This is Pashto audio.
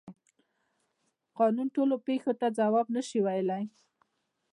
قانون ټولو پیښو ته ځواب نشي ویلی.